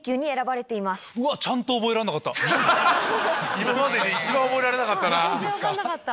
今までで一番覚えられなかったな。